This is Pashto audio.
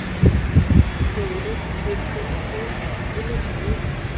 که ولس هوښیار شي، ظلم مري.